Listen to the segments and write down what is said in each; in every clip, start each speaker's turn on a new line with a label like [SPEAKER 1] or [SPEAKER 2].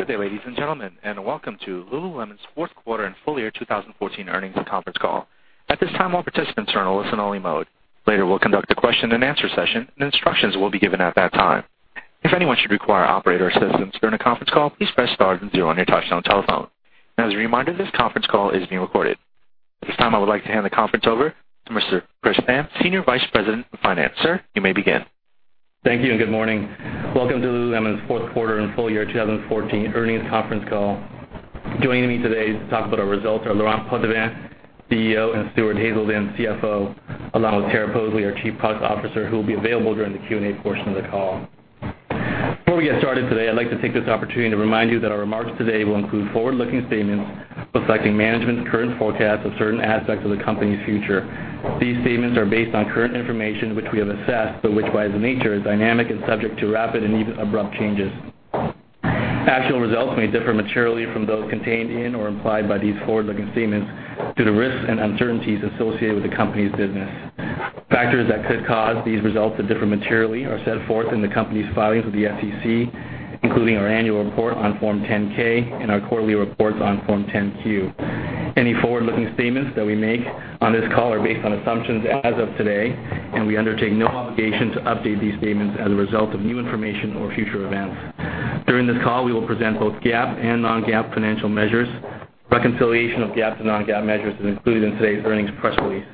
[SPEAKER 1] Good day, ladies and gentlemen, welcome to Lululemon's fourth quarter and full year 2014 earnings conference call. At this time, all participants are in listen only mode. Later, we'll conduct a question and answer session. Instructions will be given at that time. If anyone should require operator assistance during a conference call, please press star then zero on your touchtone telephone. As a reminder, this conference call is being recorded. At this time, I would like to hand the conference over to Mr. Chris Tham, Senior Vice President of Finance. Sir, you may begin.
[SPEAKER 2] Thank you. Good morning. Welcome to Lululemon's fourth quarter and full year 2014 earnings conference call. Joining me today to talk about our results are Laurent Potdevin, CEO, Stuart Haselden, CFO, along with Tara Poseley, our Chief Product Officer, who will be available during the Q&A portion of the call. Before we get started today, I'd like to take this opportunity to remind you that our remarks today will include forward-looking statements reflecting management's current forecasts of certain aspects of the company's future. These statements are based on current information which we have assessed, but which by the nature is dynamic and subject to rapid and even abrupt changes. Actual results may differ materially from those contained in or implied by these forward-looking statements due to risks and uncertainties associated with the company's business. Factors that could cause these results to differ materially are set forth in the company's filings with the SEC, including our annual report on Form 10-K and our quarterly reports on Form 10-Q. Any forward-looking statements that we make on this call are based on assumptions as of today. We undertake no obligation to update these statements as a result of new information or future events. During this call, we will present both GAAP and non-GAAP financial measures. Reconciliation of GAAP to non-GAAP measures is included in today's earnings press release.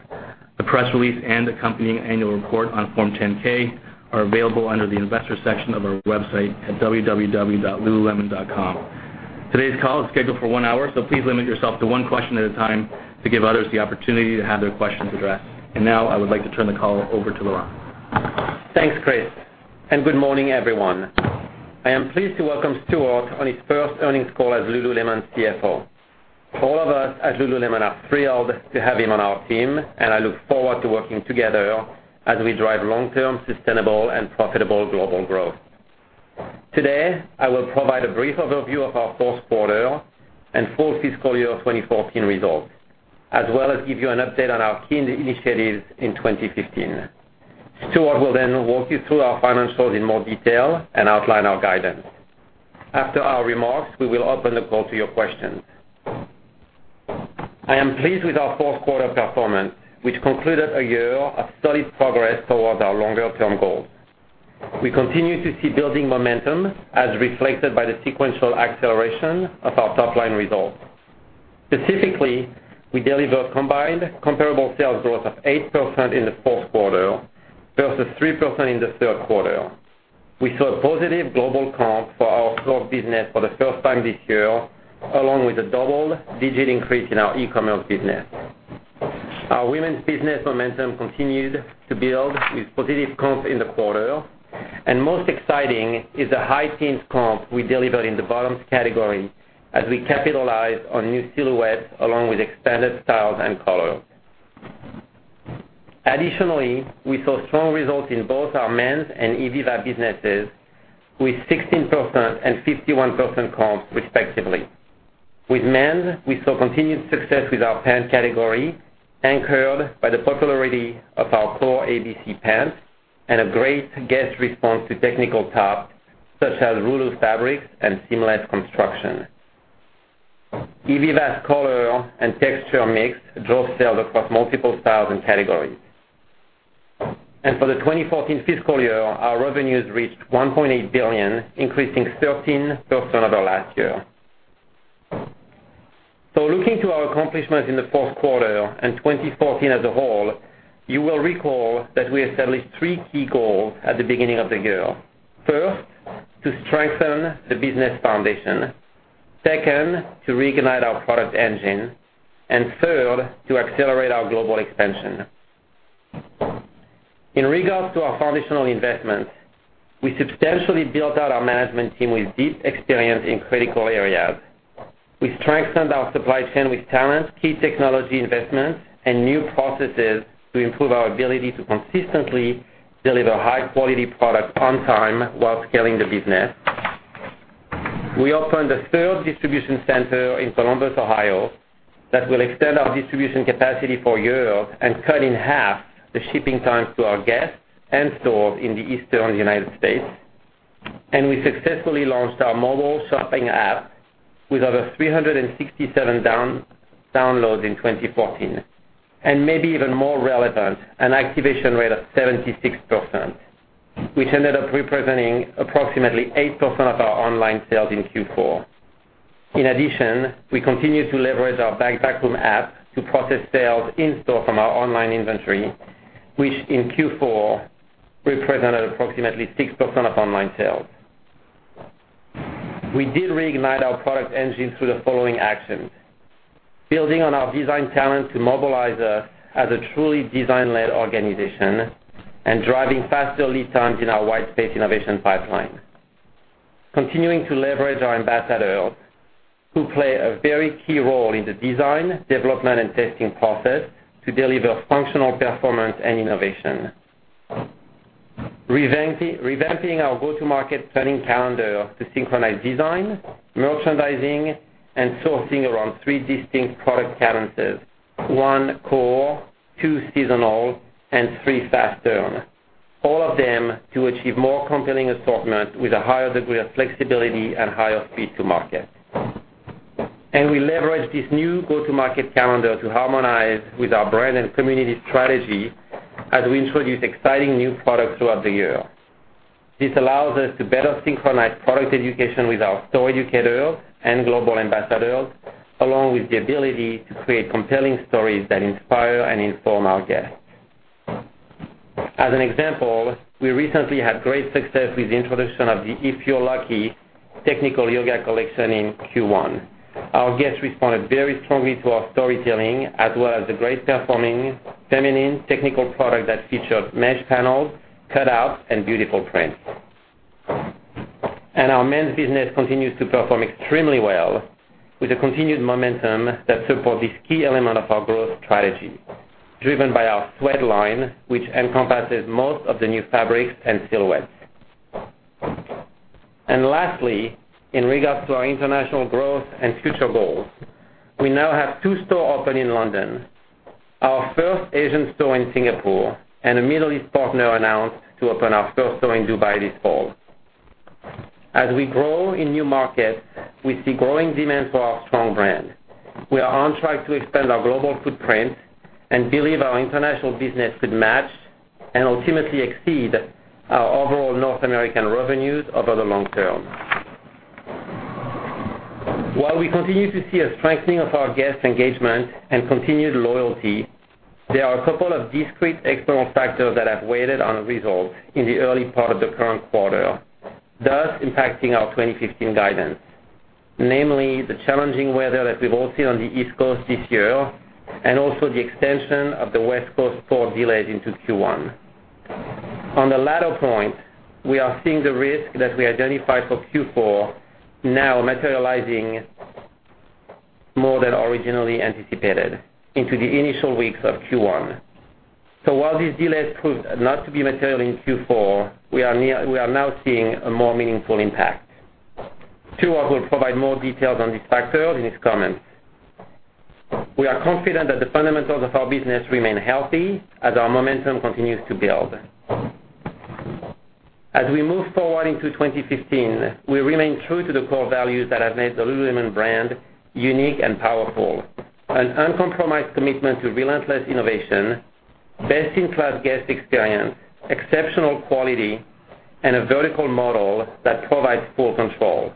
[SPEAKER 2] The press release and accompanying annual report on Form 10-K are available under the investor section of our website at www.lululemon.com. Today's call is scheduled for one hour. Please limit yourself to one question at a time to give others the opportunity to have their questions addressed. Now I would like to turn the call over to Laurent.
[SPEAKER 3] Thanks, Chris, and good morning, everyone. I am pleased to welcome Stuart on his first earnings call as Lululemon's CFO. All of us at Lululemon are thrilled to have him on our team, and I look forward to working together as we drive long-term sustainable and profitable global growth. Today, I will provide a brief overview of our fourth quarter and full fiscal year 2014 results, as well as give you an update on our key initiatives in 2015. Stuart will then walk you through our financials in more detail and outline our guidance. After our remarks, we will open the call to your questions. I am pleased with our fourth quarter performance, which concluded a year of steady progress towards our longer term goals. We continue to see building momentum as reflected by the sequential acceleration of our top-line results. Specifically, we delivered combined comparable sales growth of 8% in the fourth quarter versus 3% in the third quarter. We saw positive global comp for our store business for the first time this year, along with a double-digit increase in our e-commerce business. Our women's business momentum continued to build with positive comp in the quarter, and most exciting is the high teens comp we delivered in the bottoms category as we capitalize on new silhouettes, along with expanded styles and color. Additionally, we saw strong results in both our men's and Ivivva businesses, with 16% and 51% comp respectively. With men's, we saw continued success with our pant category, anchored by the popularity of our core ABC pants and a great guest response to technical tops such as Luon fabrics and seamless construction. Ivivva's color and texture mix drove sales across multiple styles and categories. For the 2014 fiscal year, our revenues reached $1.8 billion, increasing 13% over last year. Looking to our accomplishments in the fourth quarter and 2014 as a whole, you will recall that we established three key goals at the beginning of the year. First, to strengthen the business foundation. Second, to reignite our product engine. Third, to accelerate our global expansion. In regards to our foundational investments, we substantially built out our management team with deep experience in critical areas. We strengthened our supply chain with talent, key technology investments, and new processes to improve our ability to consistently deliver high-quality products on time while scaling the business. We opened a third distribution center in Columbus, Ohio, that will extend our distribution capacity for Europe and cut in half the shipping times to our guests and stores in the Eastern U.S. We successfully launched our mobile shopping app with over 367 downloads in 2014. Maybe even more relevant, an activation rate of 76%, which ended up representing approximately 8% of our online sales in Q4. In addition, we continued to leverage our Back to Backroom app to process sales in store from our online inventory, which in Q4 represented approximately 6% of online sales. We did reignite our product engine through the following actions. Building on our design talent to mobilize as a truly design-led organization and driving faster lead times in our white space innovation pipeline. Continuing to leverage our ambassadors who play a very key role in the design, development, and testing process to deliver functional performance and innovation. Revamping our go-to-market planning calendar to synchronize design, merchandising, and sourcing around three distinct product currencies. One, core, two, seasonal, and three, fast turn. All of them to achieve more compelling assortment with a higher degree of flexibility and higher speed to market. We leverage this new go-to-market calendar to harmonize with our brand and community strategy as we introduce exciting new products throughout the year. This allows us to better synchronize product education with our store educators and global ambassadors, along with the ability to create compelling stories that inspire and inform our guests. As an example, we recently had great success with the introduction of the If You're Lucky technical yoga collection in Q1. Our guests responded very strongly to our storytelling, as well as the great-performing feminine technical product that featured mesh panels, cutouts, and beautiful prints. Our men's business continues to perform extremely well, with a continued momentum that supports this key element of our growth strategy, driven by our sweat line, which encompasses most of the new fabrics and silhouettes. Lastly, in regards to our international growth and future goals, we now have two store open in London, our first Asian store in Singapore, and a Middle East partner announced to open our first store in Dubai this fall. As we grow in new markets, we see growing demand for our strong brand. We are on track to expand our global footprint and believe our international business could match and ultimately exceed our overall North American revenues over the long term. While we continue to see a strengthening of our guest engagement and continued loyalty, there are a couple of discrete external factors that have weighed on results in the early part of the current quarter, thus impacting our 2015 guidance. Namely, the challenging weather that we've all seen on the East Coast this year, and also the extension of the West Coast port delays into Q1. On the latter point, we are seeing the risk that we identified for Q4 now materializing more than originally anticipated into the initial weeks of Q1. While these delays proved not to be material in Q4, we are now seeing a more meaningful impact. Stuart will provide more details on these factors in his comments. We are confident that the fundamentals of our business remain healthy as our momentum continues to build. As we move forward into 2015, we remain true to the core values that have made the lululemon brand unique and powerful. An uncompromised commitment to relentless innovation, best-in-class guest experience, exceptional quality, and a vertical model that provides full control.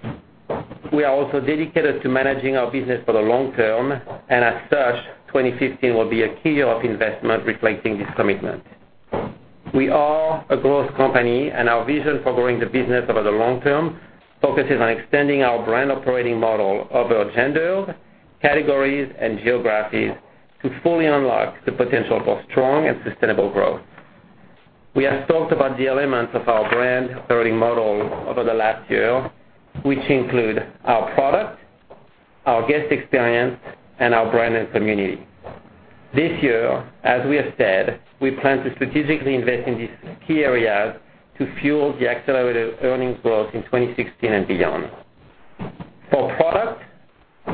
[SPEAKER 3] We are also dedicated to managing our business for the long term, as such, 2015 will be a key year of investment reflecting this commitment. We are a growth company, our vision for growing the business over the long term focuses on extending our brand operating model over gender, categories, and geographies to fully unlock the potential for strong and sustainable growth. We have talked about the elements of our brand operating model over the last year, which include our product, our guest experience, and our brand and community. This year, as we have said, we plan to strategically invest in these key areas to fuel the accelerated earnings growth in 2016 and beyond. For product,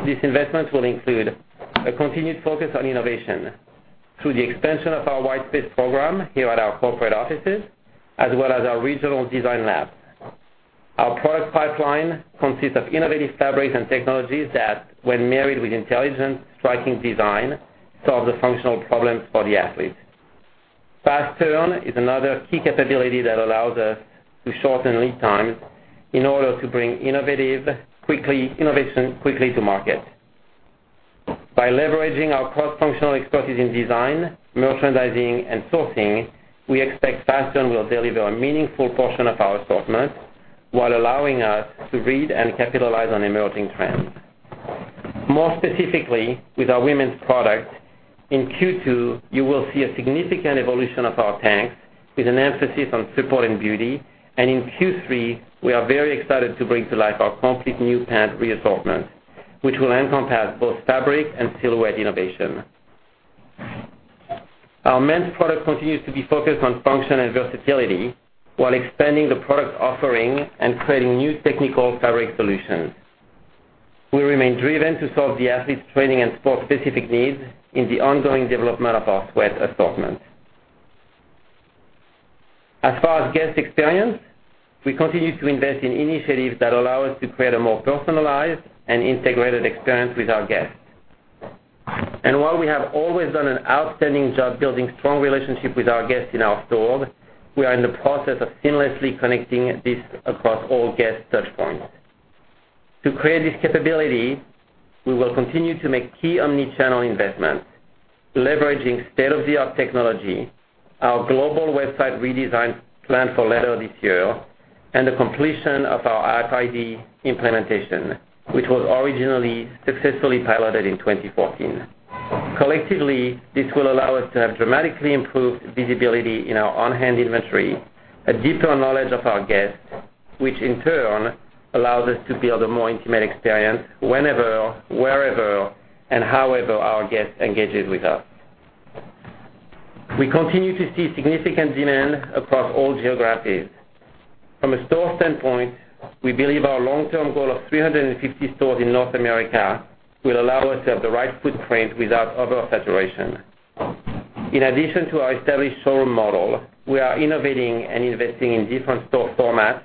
[SPEAKER 3] these investments will include a continued focus on innovation through the expansion of our Whitespace program here at our corporate offices, as well as our regional design labs. Our product pipeline consists of innovative fabrics and technologies that, when married with intelligent, striking design, solve the functional problems for the athletes. Fast turn is another key capability that allows us to shorten lead times in order to bring innovation quickly to market. By leveraging our cross-functional expertise in design, merchandising, and sourcing, we expect fast turn will deliver a meaningful portion of our assortment while allowing us to read and capitalize on emerging trends. More specifically, with our women's product, in Q2, you will see a significant evolution of our tanks with an emphasis on support and beauty. In Q3, we are very excited to bring to life our complete new pant reassortment, which will encompass both fabric and silhouette innovation. Our men's product continues to be focused on function and versatility while expanding the product offering and creating new technical fabric solutions. We remain driven to solve the athlete's training and sport-specific needs in the ongoing development of our sweat assortment. As far as guest experience, we continue to invest in initiatives that allow us to create a more personalized and integrated experience with our guests. While we have always done an outstanding job building strong relationships with our guests in our stores, we are in the process of seamlessly connecting this across all guest touch points. To create this capability, we will continue to make key omni-channel investments, leveraging state-of-the-art technology, our global website redesign planned for later this year, and the completion of our RFID implementation, which was originally successfully piloted in 2014. Collectively, this will allow us to have dramatically improved visibility in our on-hand inventory, a deeper knowledge of our guests, which in turn allows us to build a more intimate experience whenever, wherever, and however our guests engages with us. We continue to see significant demand across all geographies. From a store standpoint, we believe our long-term goal of 350 stores in North America will allow us to have the right footprint without over-saturation. In addition to our established showroom model, we are innovating and investing in different store formats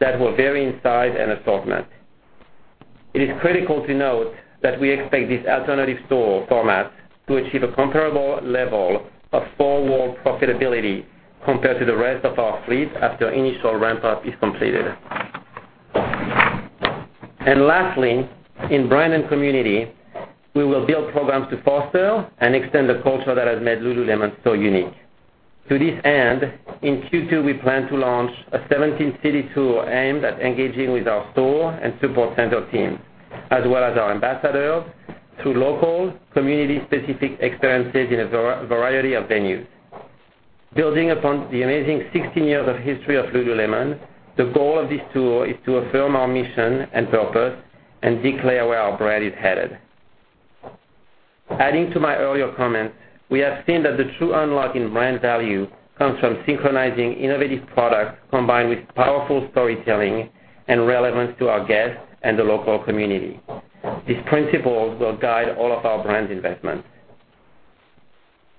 [SPEAKER 3] that will vary in size and assortment. It is critical to note that we expect these alternative store formats to achieve a comparable level of forward profitability compared to the rest of our fleet after initial ramp-up is completed. Lastly, in brand and community, we will build programs to foster and extend the culture that has made lululemon so unique. To this end, in Q2, we plan to launch a 17-city tour aimed at engaging with our store and support center teams, as well as our ambassadors, through local community-specific experiences in a variety of venues. Building upon the amazing 16 years of history of lululemon, the goal of this tour is to affirm our mission and purpose and declare where our brand is headed. Adding to my earlier comments, we have seen that the true unlock in brand value comes from synchronizing innovative products, combined with powerful storytelling and relevance to our guests and the local community. These principles will guide all of our brand investments.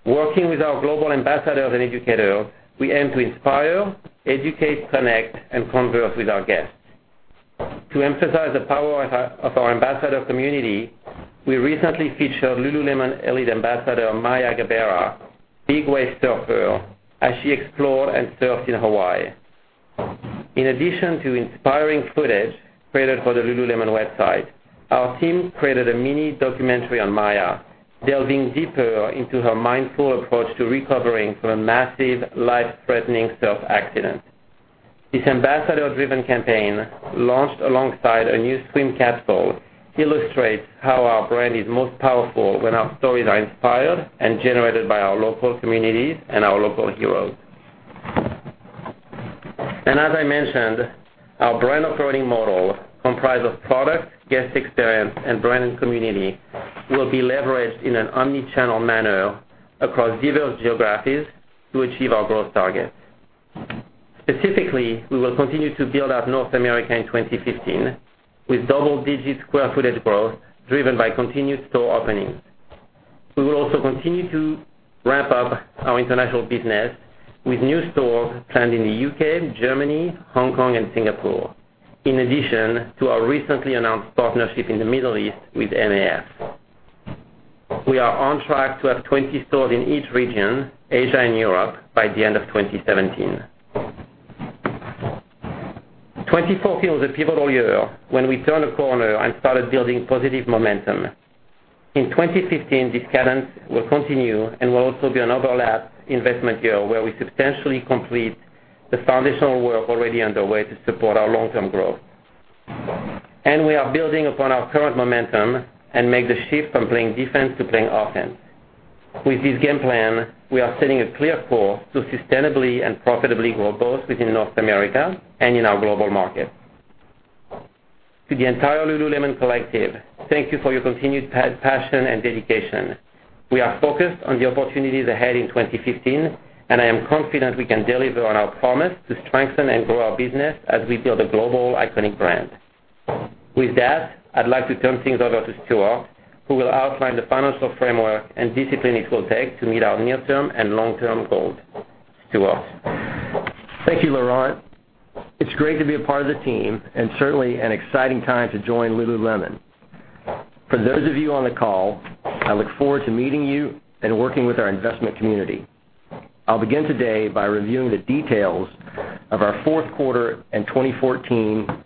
[SPEAKER 3] Working with our global ambassadors and educators, we aim to inspire, educate, connect, and converse with our guests. To emphasize the power of our ambassador community, we recently featured Lululemon elite ambassador, Maya Gabeira, big wave surfer, as she explored and surfed in Hawaii. In addition to inspiring footage created for the lululemon.com, our team created a mini-documentary on Maya, delving deeper into her mindful approach to recovering from a massive, life-threatening surf accident. This ambassador-driven campaign, launched alongside a new swim capsule, illustrates how our brand is most powerful when our stories are inspired and generated by our local communities and our local heroes. As I mentioned, our brand operating model, comprised of product, guest experience, and brand and community, will be leveraged in an omni-channel manner across diverse geographies to achieve our growth targets. Specifically, we will continue to build out North America in 2015 with double-digit square footage growth driven by continued store openings. We will also continue to ramp up our international business with new stores planned in the U.K., Germany, Hong Kong, and Singapore, in addition to our recently announced partnership in the Middle East with MAF. We are on track to have 20 stores in each region, Asia and Europe, by the end of 2017. 2014 was a pivotal year when we turned a corner and started building positive momentum. In 2015, this cadence will continue and will also be an overlap investment year where we substantially complete the foundational work already underway to support our long-term growth. We are building upon our current momentum and make the shift from playing defense to playing offense. With this game plan, we are setting a clear course to sustainably and profitably grow both within North America and in our global markets. To the entire Lululemon collective, thank you for your continued passion and dedication. We are focused on the opportunities ahead in 2015, and I am confident we can deliver on our promise to strengthen and grow our business as we build a global iconic brand. With that, I'd like to turn things over to Stuart, who will outline the financial framework and discipline it will take to meet our near-term and long-term goals. Stuart?
[SPEAKER 4] Thank you, Laurent. It's great to be a part of the team and certainly an exciting time to join Lululemon. For those of you on the call, I look forward to meeting you and working with our investment community. I'll begin today by reviewing the details of our fourth quarter in 2014.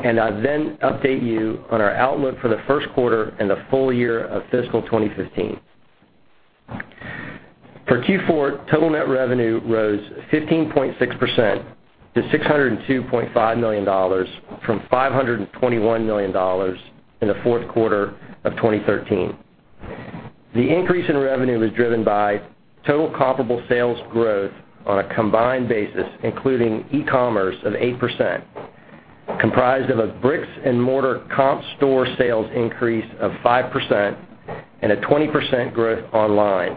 [SPEAKER 4] I'll then update you on our outlook for the first quarter and the full year of fiscal 2015. For Q4, total net revenue rose 15.6% to $602.5 million from $521 million in the fourth quarter of 2013. The increase in revenue was driven by total comparable sales growth on a combined basis, including e-commerce of 8%, comprised of a bricks-and-mortar comp store sales increase of 5% and a 20% growth online,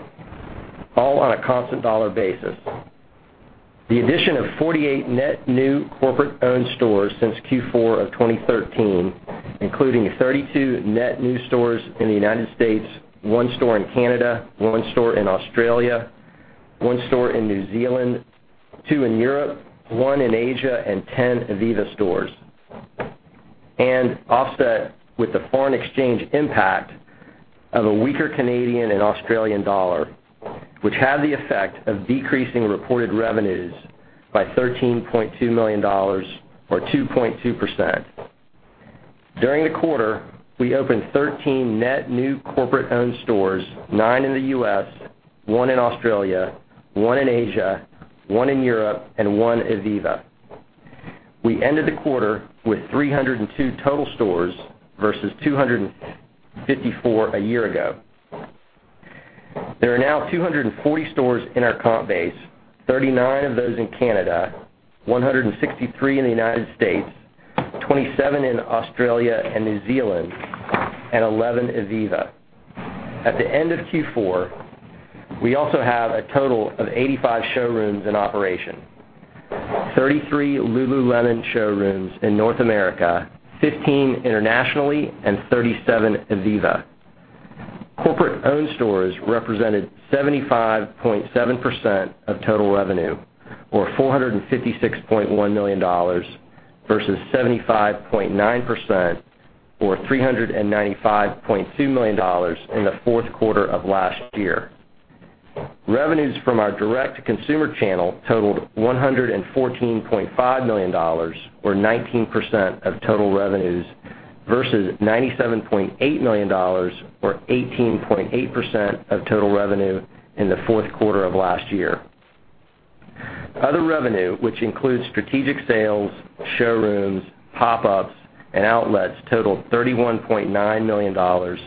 [SPEAKER 4] all on a constant dollar basis. The addition of 48 net new corporate-owned stores since Q4 of 2013, including 32 net new stores in the U.S., one store in Canada, one store in Australia, one store in New Zealand, two in Europe, one in Asia, and 10 Ivivva stores, and offset with the foreign exchange impact of a weaker CAD and AUD, which had the effect of decreasing reported revenues by $13.2 million, or 2.2%. During the quarter, we opened 13 net new corporate-owned stores, nine in the U.S., one in Australia, one in Asia, one in Europe, and one Ivivva. We ended the quarter with 302 total stores versus 254 a year ago. There are now 240 stores in our comp base, 39 of those in Canada, 163 in the U.S., 27 in Australia and New Zealand, and 11 Ivivva. At the end of Q4, we also have a total of 85 showrooms in operation. 33 Lululemon showrooms in North America, 15 internationally, and 37 Ivivva. Corporate-owned stores represented 75.7% of total revenue, or $456.1 million versus 75.9%, or $395.2 million in the fourth quarter of last year. Revenues from our direct-to-consumer channel totaled $114.5 million, or 19% of total revenues, versus $97.8 million, or 18.8% of total revenue in the fourth quarter of last year. Other revenue, which includes strategic sales, showrooms, pop-ups, and outlets totaled $31.9 million, or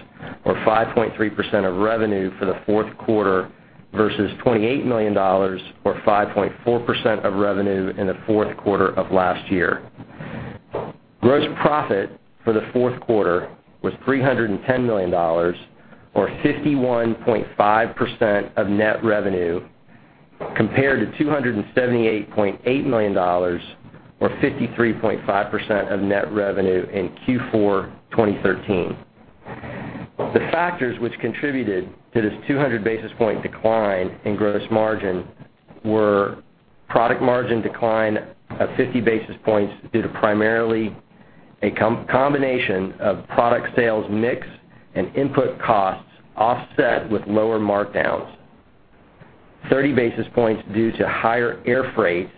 [SPEAKER 4] 5.3% of revenue for the fourth quarter versus $28 million, or 5.4% of revenue in the fourth quarter of last year. Gross profit for the fourth quarter was $310 million, or 51.5% of net revenue, compared to $278.8 million, or 53.5% of net revenue in Q4 2013. The factors which contributed to this 200 basis point decline in gross margin were product margin decline of 50 basis points due to primarily a combination of product sales mix and input costs offset with lower markdowns, 30 basis points due to higher air freight,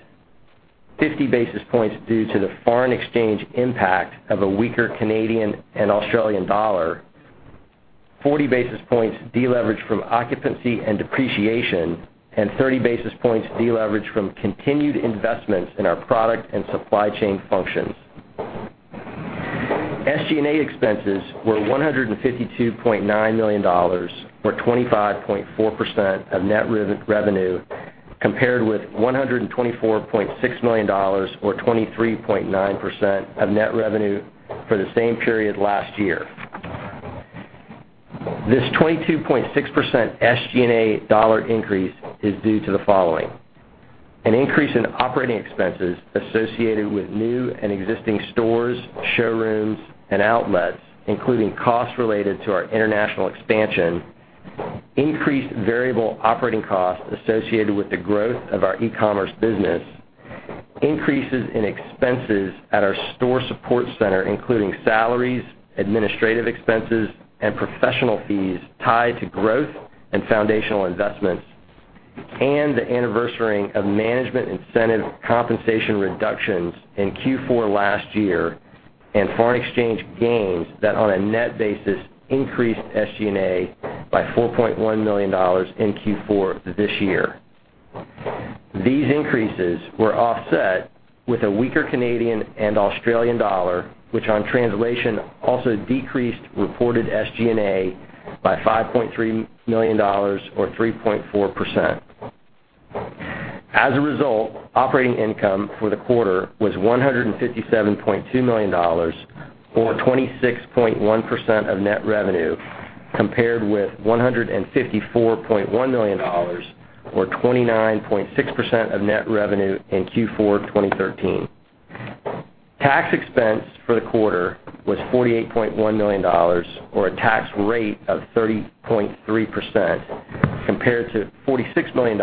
[SPEAKER 4] 50 basis points due to the foreign exchange impact of a weaker CAD and AUD, 40 basis points deleveraged from occupancy and depreciation, and 30 basis points deleveraged from continued investments in our product and supply chain functions. SG&A expenses were $152.9 million, or 25.4% of net revenue, compared with $124.6 million, or 23.9% of net revenue for the same period last year. This 22.6% SG&A dollar increase is due to the following: an increase in operating expenses associated with new and existing stores, showrooms, and outlets, including costs related to our international expansion, increased variable operating costs associated with the growth of our e-commerce business, increases in expenses at our store support center, including salaries, administrative expenses, and professional fees tied to growth and foundational investments, and the anniversarying of management incentive compensation reductions in Q4 last year and foreign exchange gains that on a net basis, increased SG&A by $4.1 million in Q4 this year. These increases were offset with a weaker CAD and AUD, which on translation also decreased reported SG&A by $5.3 million or 3.4%. As a result, operating income for the quarter was $157.2 million, or 26.1% of net revenue, compared with $154.1 million, or 29.6% of net revenue in Q4 2013. Tax expense for the quarter was $48.1 million, or a tax rate of 30.3%, compared to $46 million,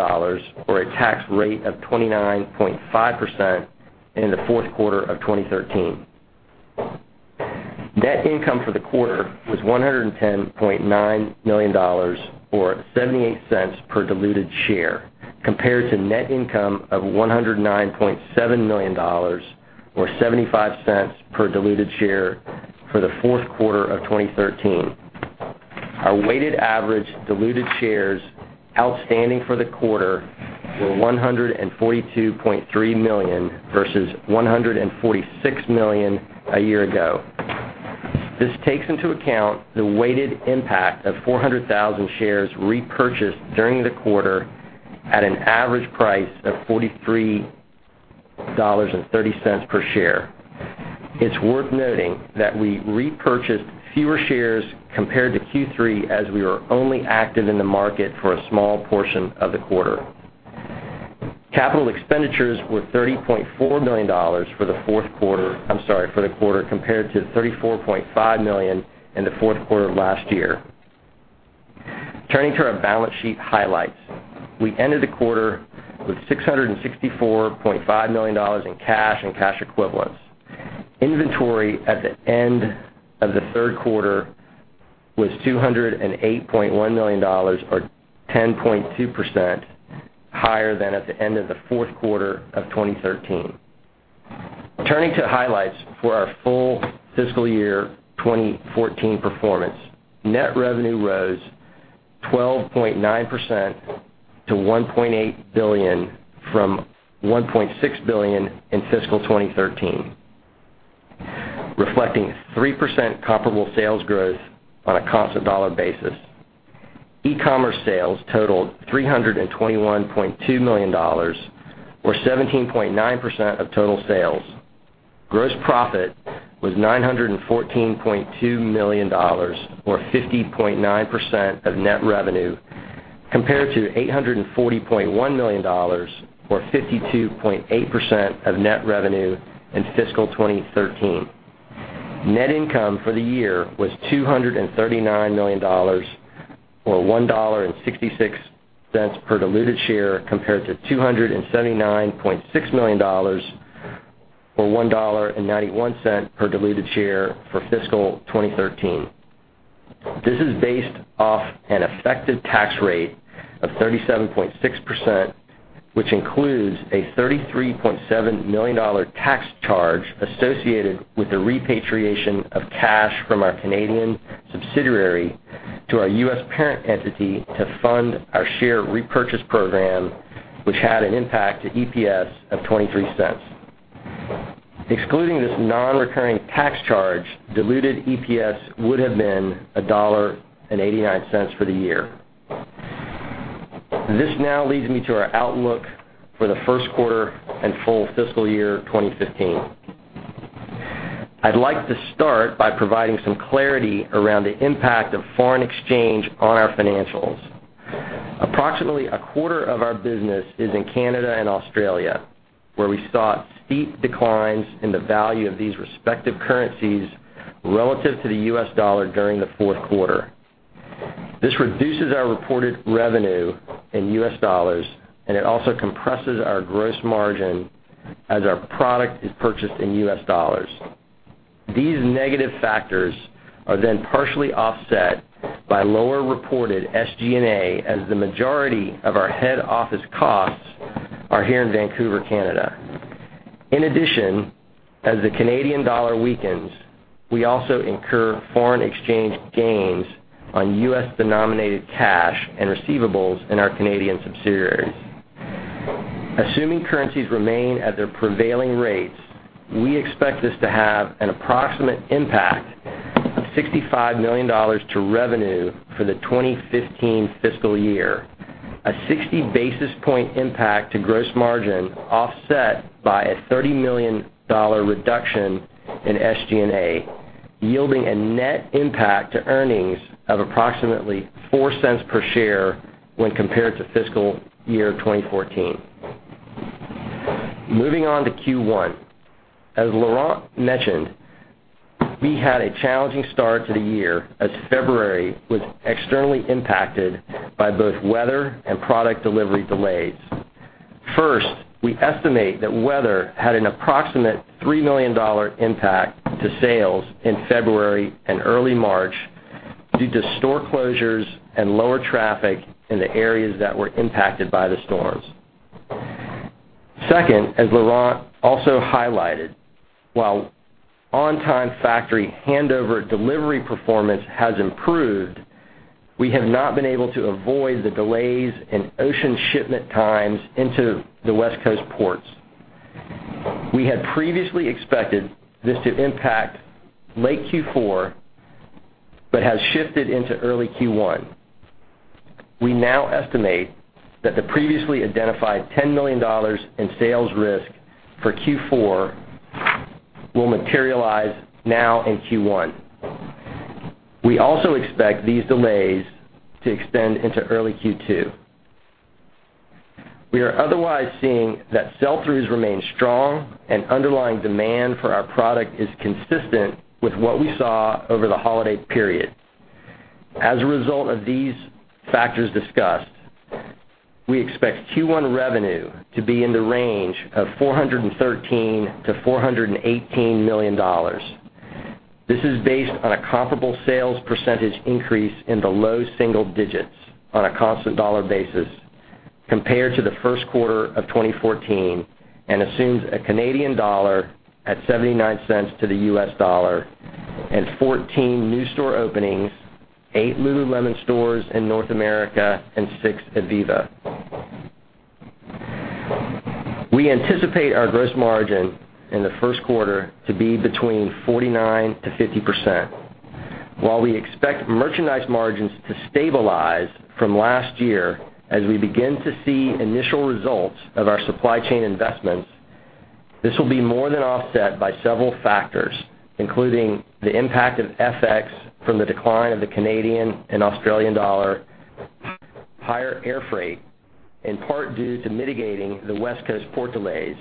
[SPEAKER 4] or a tax rate of 29.5% in the fourth quarter of 2013. Net income for the quarter was $110.9 million, or $0.78 per diluted share, compared to net income of $109.7 million, or $0.75 per diluted share for the fourth quarter of 2013. Our weighted average diluted shares outstanding for the quarter were 142.3 million versus 146 million a year ago. This takes into account the weighted impact of 400,000 shares repurchased during the quarter at an average price of $43.30 per share. It's worth noting that we repurchased fewer shares compared to Q3 as we were only active in the market for a small portion of the quarter. Capital expenditures were $30.4 million for the quarter compared to $34.5 million in the fourth quarter of last year. Turning to our balance sheet highlights. We ended the quarter with $664.5 million in cash and cash equivalents. Inventory at the end of the third quarter was $208.1 million, or 10.2% higher than at the end of the fourth quarter of 2013. Turning to highlights for our full fiscal year 2014 performance. Net revenue rose 12.9% to $1.8 billion from $1.6 billion in fiscal 2013, reflecting 3% comparable sales growth on a constant dollar basis. E-commerce sales totaled $321.2 million, or 17.9% of total sales. Gross profit was $914.2 million, or 50.9% of net revenue, compared to $840.1 million, or 52.8% of net revenue in fiscal 2013. Net income for the year was $239 million, or $1.66 per diluted share, compared to $279.6 million, or $1.91 per diluted share for fiscal 2013. This is based off an effective tax rate of 37.6%, which includes a $33.7 million tax charge associated with the repatriation of cash from our Canadian subsidiary to our U.S. parent entity to fund our share repurchase program, which had an impact to EPS of $0.23. Excluding this non-recurring tax charge, diluted EPS would have been $1.89 for the year. This now leads me to our outlook for the first quarter and full fiscal year 2015. I'd like to start by providing some clarity around the impact of foreign exchange on our financials. Approximately a quarter of our business is in Canada and Australia, where we saw steep declines in the value of these respective currencies relative to the U.S. dollar during the fourth quarter. This reduces our reported revenue in U.S. dollars, and it also compresses our gross margin as our product is purchased in U.S. dollars. These negative factors are partially offset by lower reported SG&A, as the majority of our head office costs are here in Vancouver, Canada. In addition, as the Canadian dollar weakens, we also incur foreign exchange gains on U.S.-denominated cash and receivables in our Canadian subsidiaries. Assuming currencies remain at their prevailing rates, we expect this to have an approximate impact of $65 million to revenue for the 2015 fiscal year, a 60-basis-point impact to gross margin offset by a $30 million reduction in SG&A, yielding a net impact to earnings of approximately $0.04 per share when compared to fiscal year 2014. Moving on to Q1. As Laurent mentioned, we had a challenging start to the year, as February was externally impacted by both weather and product delivery delays. First, we estimate that weather had an approximate $3 million impact to sales in February and early March due to store closures and lower traffic in the areas that were impacted by the storms. Second, as Laurent also highlighted, while on-time factory handover delivery performance has improved, we have not been able to avoid the delays in ocean shipment times into the West Coast ports. We had previously expected this to impact late Q4, but has shifted into early Q1. We now estimate that the previously identified $10 million in sales risk for Q4 will materialize now in Q1. We also expect these delays to extend into early Q2. We are otherwise seeing that sell-throughs remain strong and underlying demand for our product is consistent with what we saw over the holiday period. As a result of these factors discussed, we expect Q1 revenue to be in the range of $413 million-$418 million. This is based on a comparable sales percentage increase in the low single digits on a constant dollar basis compared to the first quarter of 2014 and assumes a Canadian dollar at $0.79 to the U.S. dollar and 14 new store openings, eight Lululemon stores in North America and six Ivivva. We anticipate our gross margin in the first quarter to be between 49%-50%. While we expect merchandise margins to stabilize from last year as we begin to see initial results of our supply chain investments, this will be more than offset by several factors, including the impact of FX from the decline of the Canadian and Australian dollar, higher air freight, in part due to mitigating the West Coast port delays,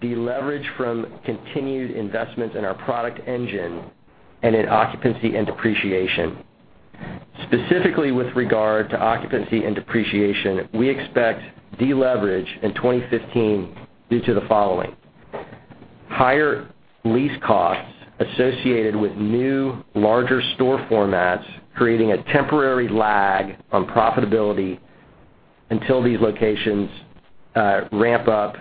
[SPEAKER 4] deleverage from continued investments in our product engine, and in occupancy and depreciation. Specifically with regard to occupancy and depreciation, we expect deleverage in 2015 due to the following. Higher lease costs associated with new, larger store formats, creating a temporary lag on profitability until these locations ramp up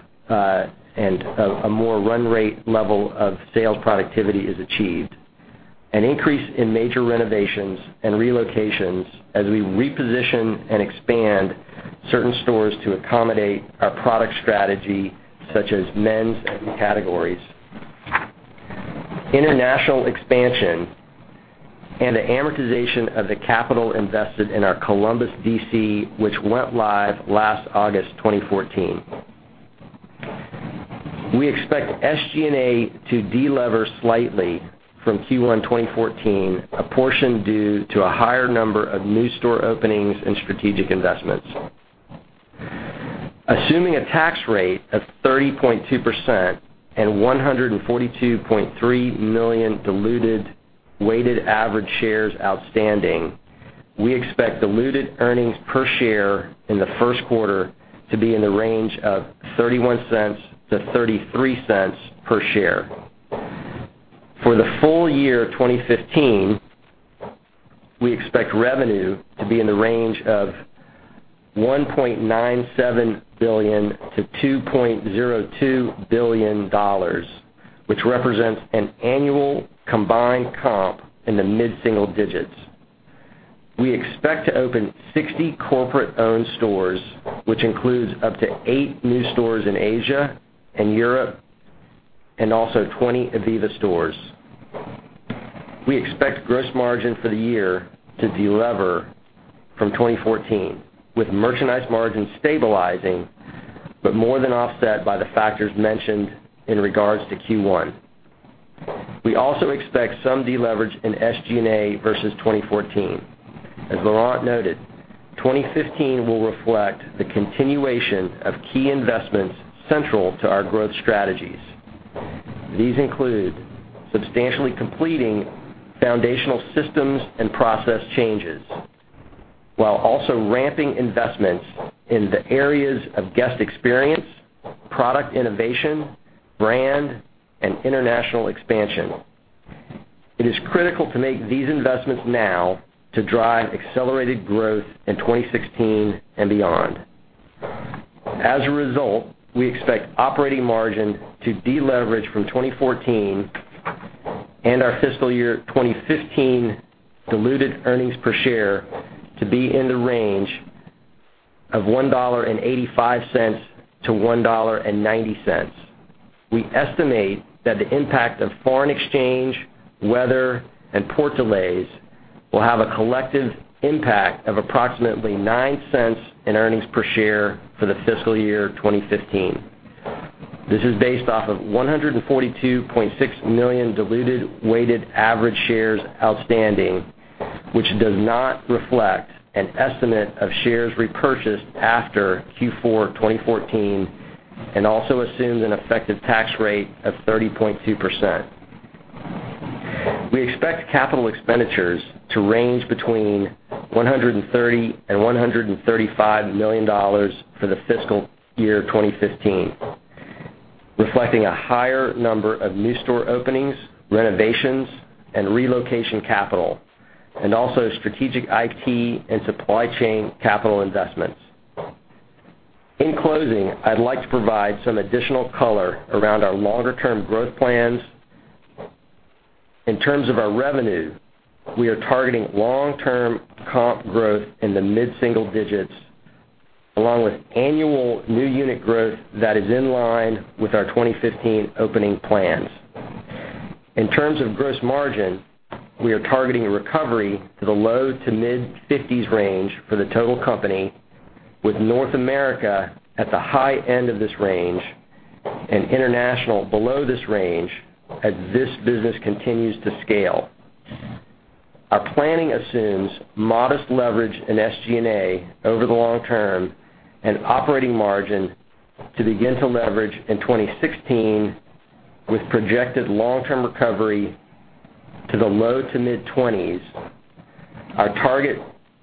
[SPEAKER 4] and a more run rate level of sales productivity is achieved. An increase in major renovations and relocations as we reposition and expand certain stores to accommodate our product strategy, such as men's and new categories. international expansion, and the amortization of the capital invested in our Columbus DC, which went live last August 2014. We expect SG&A to de-lever slightly from Q1 2014, a portion due to a higher number of new store openings and strategic investments. Assuming a tax rate of 30.2% and 142.3 million diluted weighted average shares outstanding, we expect diluted earnings per share in the first quarter to be in the range of $0.31-$0.33 per share. For the full year 2015, we expect revenue to be in the range of $1.97 billion-$2.02 billion, which represents an annual combined comp in the mid-single digits. We expect to open 60 corporate-owned stores, which includes up to eight new stores in Asia and Europe, and also 20 Ivivva stores. We expect gross margin for the year to de-lever from 2014, with merchandise margins stabilizing, but more than offset by the factors mentioned in regards to Q1. We also expect some de-leverage in SG&A versus 2014. As Laurent noted, 2015 will reflect the continuation of key investments central to our growth strategies. These include substantially completing foundational systems and process changes, while also ramping investments in the areas of guest experience, product innovation, brand, and international expansion. It is critical to make these investments now to drive accelerated growth in 2016 and beyond. As a result, we expect operating margin to de-leverage from 2014 and our fiscal year 2015 diluted earnings per share to be in the range of $1.85-$1.90. We estimate that the impact of foreign exchange, weather, and port delays will have a collective impact of approximately $0.09 in earnings per share for the fiscal year 2015. This is based off of 142.6 million diluted weighted average shares outstanding, which does not reflect an estimate of shares repurchased after Q4 2014 and also assumes an effective tax rate of 30.2%. We expect capital expenditures to range between $130 million-$135 million for the fiscal year 2015, reflecting a higher number of new store openings, renovations, and relocation capital, and also strategic IT and supply chain capital investments. In closing, I'd like to provide some additional color around our longer-term growth plans. In terms of our revenue, we are targeting long-term comp growth in the mid-single digits, along with annual new unit growth that is in line with our 2015 opening plans. In terms of gross margin, we are targeting a recovery to the low to mid-50s range for the total company, with North America at the high end of this range and international below this range, as this business continues to scale. Our planning assumes modest leverage in SG&A over the long term and operating margin to begin to leverage in 2016, with projected long-term recovery to the low to mid-20s. Our target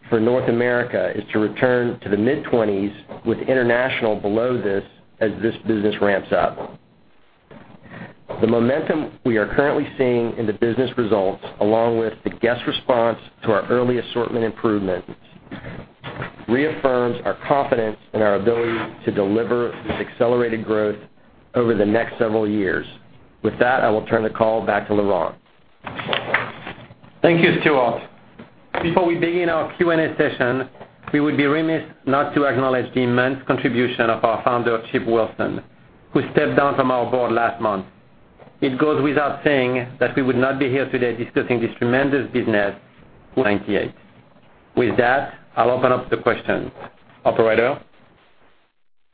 [SPEAKER 4] for North America is to return to the mid-20s with international below this as this business ramps up. The momentum we are currently seeing in the business results, along with the guest response to our early assortment improvements, reaffirms our confidence in our ability to deliver this accelerated growth over the next several years. With that, I will turn the call back to Laurent.
[SPEAKER 3] Thank you, Stuart. Before we begin our Q&A session, we would be remiss not to acknowledge the immense contribution of our founder, Chip Wilson, who stepped down from our board last month. It goes without saying that we would not be here today discussing this tremendous business. 98. With that, I'll open up to questions. Operator?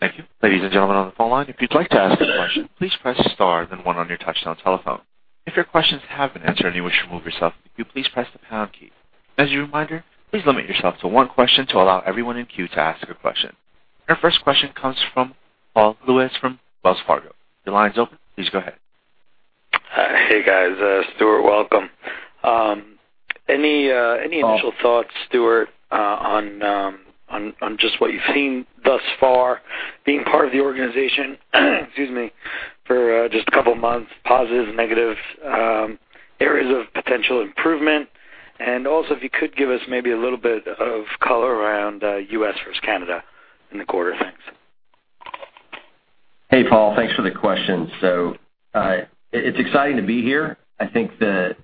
[SPEAKER 1] Thank you. Ladies and gentlemen on the phone line, if you'd like to ask a question, please press star then one on your touch-tone telephone. If your questions have been answered and you wish to remove yourself from the queue, please press the pound key. As a reminder, please limit yourself to one question to allow everyone in queue to ask a question. Our first question comes from Paul Lejuez from Wells Fargo. Your line's open. Please go ahead.
[SPEAKER 5] Hi. Hey, guys. Stuart, welcome. Any initial thoughts, Stuart, on just what you've seen thus far being part of the organization, excuse me, for just a couple of months, positives and negatives, areas of potential improvement? Also, if you could give us maybe a little bit of color around U.S. versus Canada in the quarter. Thanks.
[SPEAKER 4] Hey, Paul. Thanks for the question. It's exciting to be here. I think the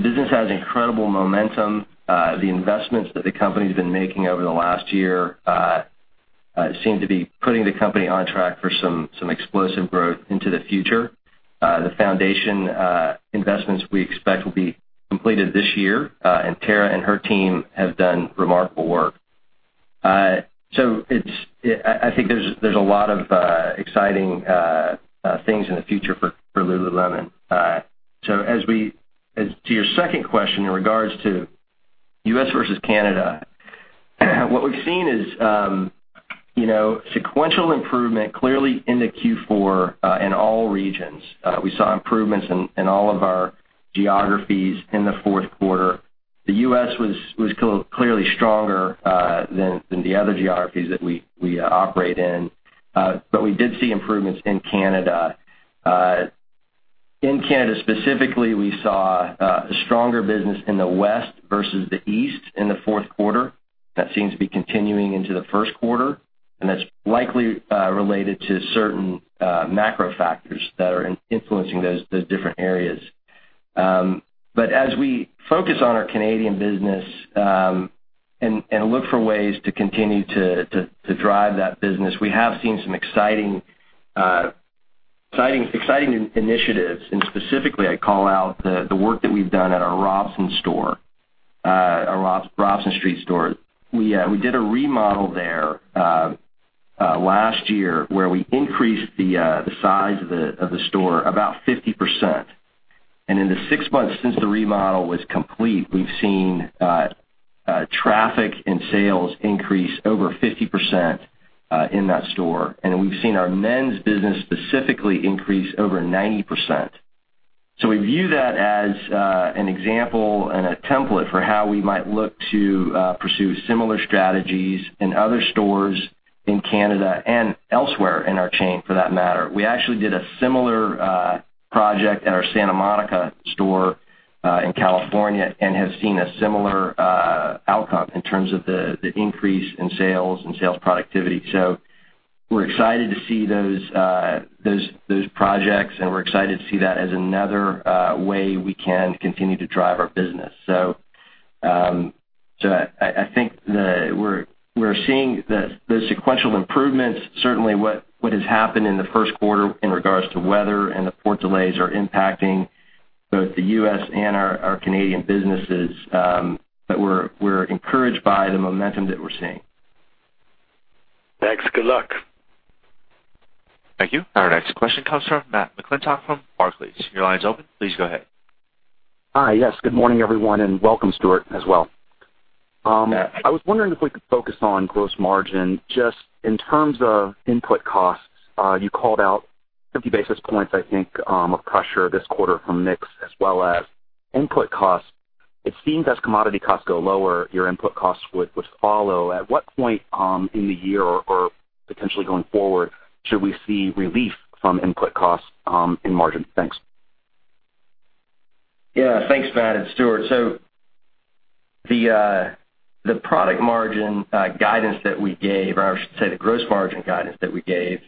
[SPEAKER 4] business has incredible momentum. The investments that the company's been making over the last year seem to be putting the company on track for some explosive growth into the future. The foundation investments we expect will be completed this year, and Tara and her team have done remarkable work. I think there's a lot of exciting things in the future for Lululemon. To your second question in regards to U.S. versus Canada, what we've seen is sequential improvement clearly into Q4, in all regions. We saw improvements in all of our geographies in the fourth quarter. The U.S. was clearly stronger than the other geographies that we operate in. We did see improvements in Canada. In Canada specifically, we saw a stronger business in the West versus the East in the fourth quarter. That seems to be continuing into the first quarter, and that's likely related to certain macro factors that are influencing those different areas. As we focus on our Canadian business, and look for ways to continue to drive that business, we have seen some exciting initiatives, and specifically, I call out the work that we've done at our Robson Street store. We did a remodel there last year where we increased the size of the store about 50%. In the six months since the remodel was complete, we've seen traffic and sales increase over 50% in that store. We've seen our men's business specifically increase over 90%. We view that as an example and a template for how we might look to pursue similar strategies in other stores in Canada and elsewhere in our chain, for that matter. We actually did a similar project at our Santa Monica store, in California, and have seen a similar outcome in terms of the increase in sales and sales productivity. We're excited to see those projects, and we're excited to see that as another way we can continue to drive our business. I think we're seeing the sequential improvements. Certainly, what has happened in the first quarter in regards to weather and the port delays are impacting both the U.S. and our Canadian businesses. We're encouraged by the momentum that we're seeing.
[SPEAKER 5] Thanks. Good luck.
[SPEAKER 1] Thank you. Our next question comes from Matt McClintock from Barclays. Your line is open. Please go ahead.
[SPEAKER 6] Hi. Yes. Good morning, everyone, and welcome, Stuart, as well. I was wondering if we could focus on gross margin, just in terms of input costs. You called out 50 basis points, I think, of pressure this quarter from mix as well as input costs. It seems as commodity costs go lower, your input costs would follow. At what point in the year or potentially going forward, should we see relief from input costs in margin? Thanks.
[SPEAKER 4] Thanks, Matt and Stuart. The product margin guidance that we gave, or I should say the gross margin guidance that we gave,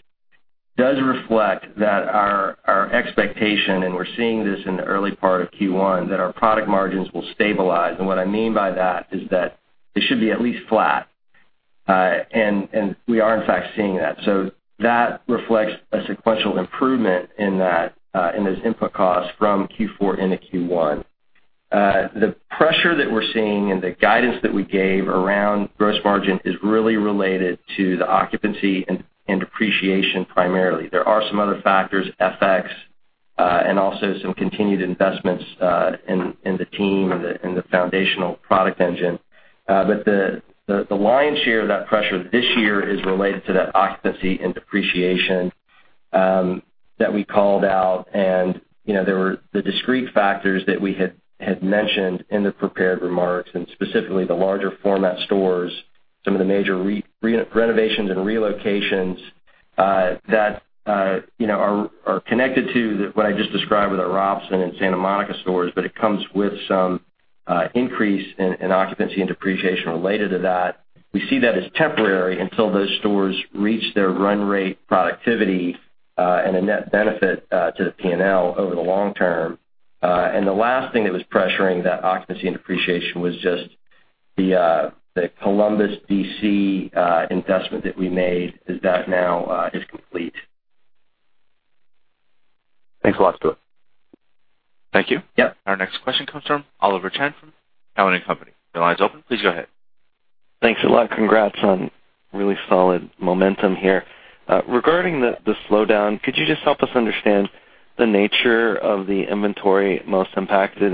[SPEAKER 4] does reflect that our expectation, and we're seeing this in the early part of Q1, that our product margins will stabilize. What I mean by that is that they should be at least flat. We are in fact seeing that. That reflects a sequential improvement in those input costs from Q4 into Q1. The pressure that we're seeing and the guidance that we gave around gross margin is really related to the occupancy and depreciation primarily. There are some other factors, FX, and also some continued investments in the team and the foundational product engine. The lion's share of that pressure this year is related to that occupancy and depreciation that we called out. There were the discrete factors that we had mentioned in the prepared remarks, and specifically the larger format stores, some of the major renovations and relocations, that are connected to what I just described with our Robson and Santa Monica stores, it comes with some increase in occupancy and depreciation related to that. We see that as temporary until those stores reach their run rate productivity, and a net benefit to the P&L over the long term. The last thing that was pressuring that occupancy and depreciation was just the Columbus, D.C., investment that we made as that now is complete.
[SPEAKER 6] Thanks a lot, Stuart.
[SPEAKER 1] Thank you.
[SPEAKER 4] Yep.
[SPEAKER 1] Our next question comes from Oliver Chen from Cowen and Company. Your line is open. Please go ahead.
[SPEAKER 7] Thanks a lot. Congrats on really solid momentum here. Regarding the slowdown, could you just help us understand the nature of the inventory most impacted?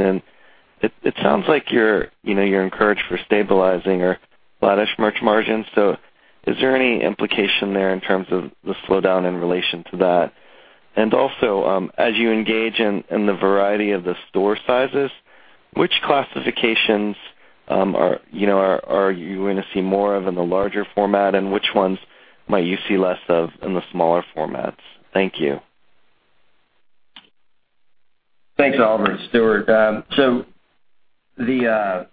[SPEAKER 7] It sounds like you're encouraged for stabilizing or flattish merch margins. Is there any implication there in terms of the slowdown in relation to that? Also, as you engage in the variety of the store sizes, which classifications are you going to see more of in the larger format, and which ones might you see less of in the smaller formats? Thank you.
[SPEAKER 4] Thanks, Oliver and Stuart. The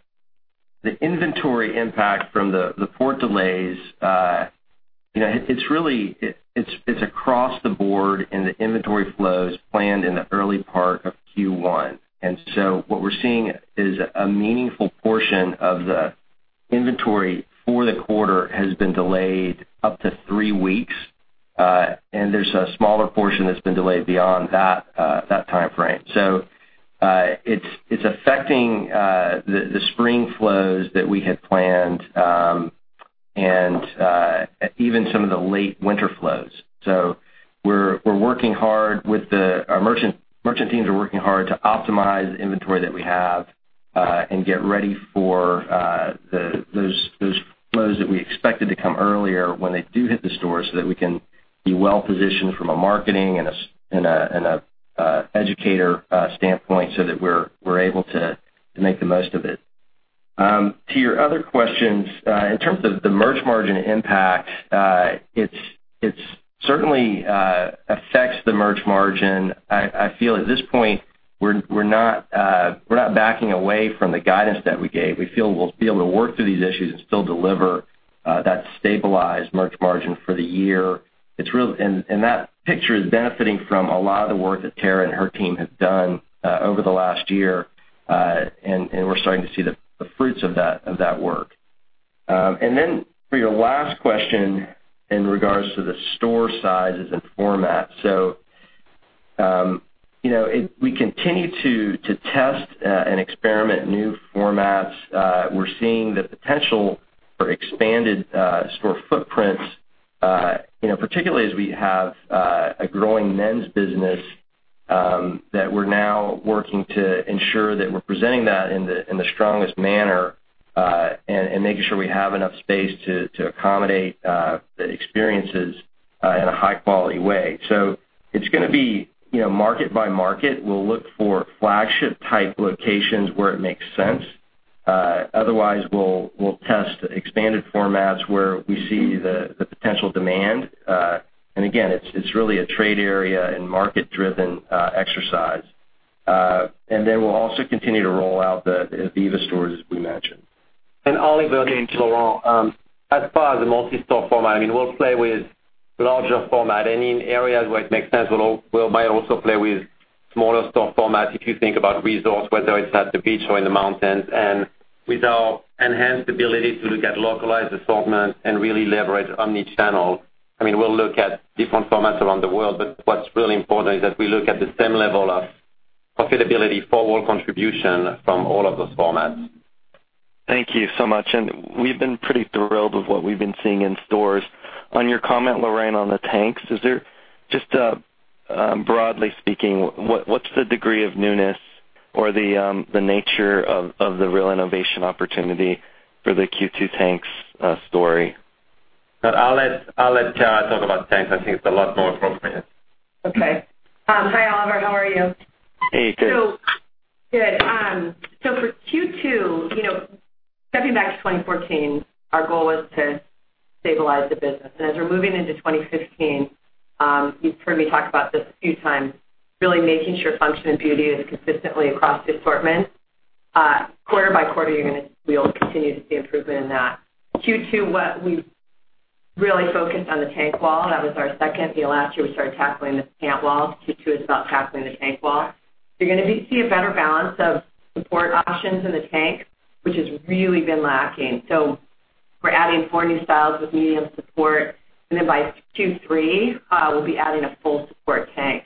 [SPEAKER 4] inventory impact from the port delays, it's across the board in the inventory flows planned in the early part of Q1. What we're seeing is a meaningful portion of the inventory for the quarter has been delayed up to three weeks, and there's a smaller portion that's been delayed beyond that timeframe. It's affecting the spring flows that we had planned and even some of the late winter flows. Our merchant teams are working hard to optimize the inventory that we have, and get ready for those flows that we expected to come earlier when they do hit the stores, so that we can be well-positioned from a marketing and a educator standpoint so that we're able to make the most of it. To your other questions, in terms of the merch margin impact, it certainly affects the merch margin. I feel at this point, we're not backing away from the guidance that we gave. We feel we'll be able to work through these issues and still deliver that stabilized merch margin for the year. That picture is benefiting from a lot of the work that Tara and her team have done over the last year, and we're starting to see the fruits of that work. For your last question in regards to the store sizes and formats. We continue to test and experiment new formats. We're seeing the potential for expanded store footprints, particularly as we have a growing men's business, that we're now working to ensure that we're presenting that in the strongest manner, and making sure we have enough space to accommodate the experiences in a high-quality way. It's going to be market by market. We'll look for flagship type locations where it makes sense. Otherwise, we'll test expanded formats where we see the potential demand. Again, it's really a trade area and market-driven exercise. We'll also continue to roll out the Ivivva stores, as we mentioned.
[SPEAKER 3] Oliver, this is Laurent. As far as the multi-store format, we'll play with larger format. In areas where it makes sense, we might also play with smaller store formats, if you think about resorts, whether it's at the beach or in the mountains. With our enhanced ability to look at localized assortment and really leverage omni-channel, we'll look at different formats around the world. What's really important is that we look at the same level of profitability for all contribution from all of those formats.
[SPEAKER 7] Thank you so much. We've been pretty thrilled with what we've been seeing in stores. On your comment, Laurent, on the tanks. Just broadly speaking, what's the degree of newness or the nature of the real innovation opportunity for the Q2 tanks story?
[SPEAKER 3] I'll let Tara talk about tanks. I think it's a lot more appropriate.
[SPEAKER 8] Okay. Hi, Oliver. How are you?
[SPEAKER 7] Hey, good.
[SPEAKER 8] Good. For Q2, stepping back to 2014, our goal was to stabilize the business. As we're moving into 2016, you've heard me talk about this a few times, really making sure function and beauty is consistently across the assortment. Quarter by quarter, we'll continue to see improvement in that. Q2, what we've really focused on the tank wall. That was our second. Last year, we started tackling the pant wall. Q2 is about tackling the tank wall. You're going to see a better balance of support options in the tank, which has really been lacking. We're adding four new styles with medium support, and then by Q3, we'll be adding a full support tank.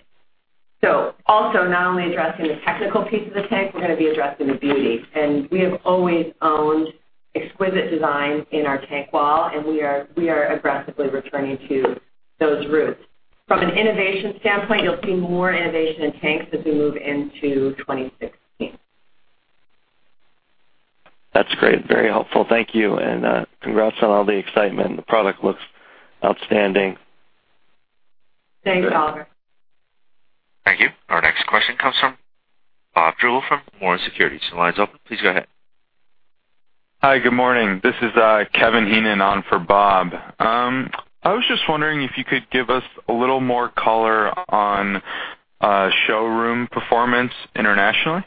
[SPEAKER 8] Also not only addressing the technical piece of the tank, we're going to be addressing the beauty. We have always owned exquisite design in our tank wall, and we are aggressively returning to those roots. From an innovation standpoint, you'll see more innovation in tanks as we move into 2016.
[SPEAKER 7] That's great. Very helpful. Thank you, and congrats on all the excitement. The product looks outstanding.
[SPEAKER 8] Thanks, Oliver.
[SPEAKER 1] Thank you. Our next question comes from Bob Drbul from Nomura Securities. The line's open. Please go ahead.
[SPEAKER 9] Hi. Good morning. This is Kevin Heenan on for Bob. I was just wondering if you could give us a little more color on showroom performance internationally.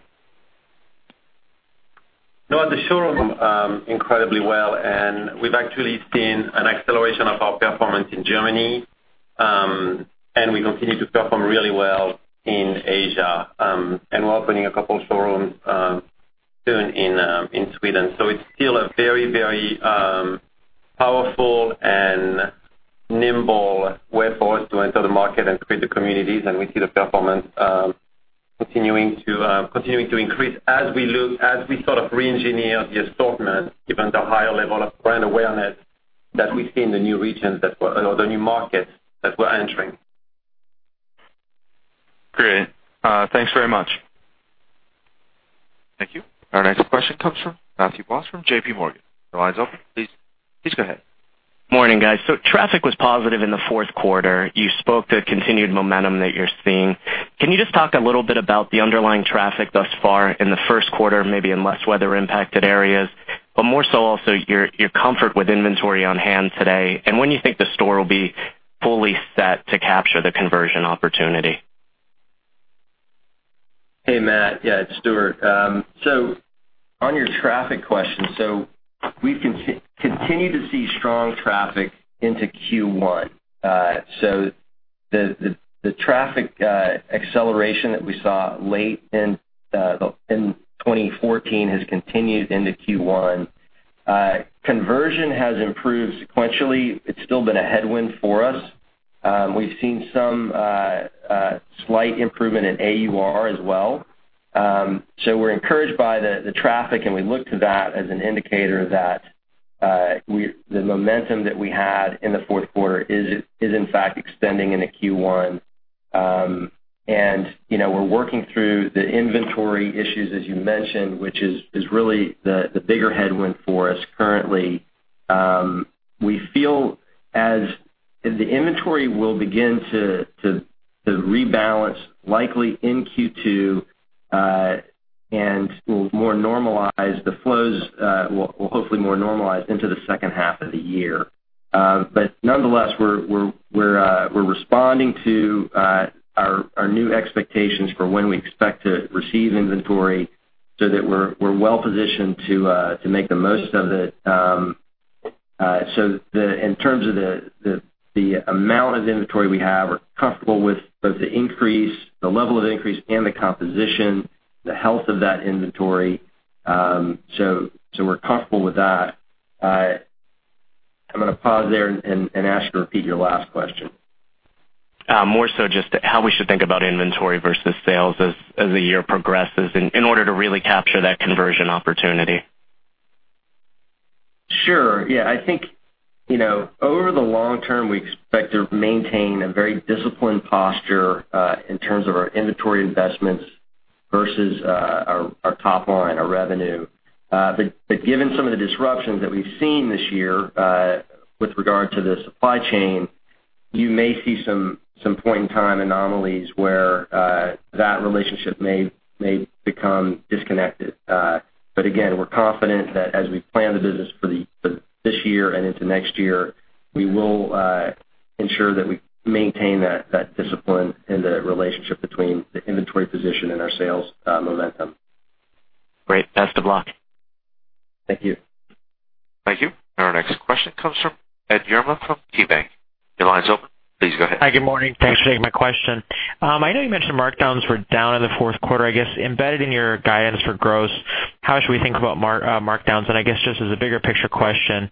[SPEAKER 3] No, the showroom incredibly well. We've actually seen an acceleration of our performance in Germany. We continue to perform really well in Asia. We're opening a couple showrooms soon in Sweden. It's still a very powerful and nimble way for us to enter the market and create the communities. We see the performance continuing to increase as we sort of reengineer the assortment given the higher level of brand awareness that we see in the new markets that we're entering.
[SPEAKER 9] Great. Thanks very much.
[SPEAKER 1] Thank you. Our next question comes from Matthew Boss from JPMorgan. Your line's open. Please go ahead.
[SPEAKER 10] Morning, guys. Traffic was positive in the fourth quarter. You spoke to continued momentum that you're seeing. Can you just talk a little bit about the underlying traffic thus far in the first quarter, maybe in less weather impacted areas, but more so also your comfort with inventory on hand today, and when you think the store will be fully set to capture the conversion opportunity?
[SPEAKER 4] Hey, Matt. Yeah, it's Stuart. On your traffic question, we continue to see strong traffic into Q1. The traffic acceleration that we saw late in 2014 has continued into Q1. Conversion has improved sequentially. It's still been a headwind for us. We've seen some slight improvement in AUR as well. We're encouraged by the traffic, and we look to that as an indicator that the momentum that we had in the fourth quarter is in fact extending into Q1. We're working through the inventory issues, as you mentioned, which is really the bigger headwind for us currently. We feel as if the inventory will begin to rebalance likely in Q2, and will more normalize the flows, will hopefully more normalize into the second half of the year. Nonetheless, we're responding to our new expectations for when we expect to receive inventory so that we're well-positioned to make the most of it. In terms of the amount of inventory we have, we're comfortable with both the increase, the level of increase and the composition, the health of that inventory. We're comfortable with that. I'm gonna pause there and ask you to repeat your last question.
[SPEAKER 10] More so just how we should think about inventory versus sales as the year progresses in order to really capture that conversion opportunity.
[SPEAKER 4] Sure. Yeah. I think, over the long term, we expect to maintain a very disciplined posture in terms of our inventory investments versus our top line, our revenue. Given some of the disruptions that we've seen this year, with regard to the supply chain, you may see some point-in-time anomalies where that relationship may become disconnected. Again, we're confident that as we plan the business for this year and into next year, we will ensure that we maintain that discipline and the relationship between the inventory position and our sales momentum.
[SPEAKER 10] Great. Best of luck.
[SPEAKER 4] Thank you.
[SPEAKER 1] Thank you. Our next question comes from Edward Yruma from KeyBanc. Your line's open. Please go ahead.
[SPEAKER 11] Hi, good morning. Thanks for taking my question. I know you mentioned markdowns were down in the fourth quarter. I guess, embedded in your guidance for gross, how should we think about markdowns? I guess, just as a bigger picture question,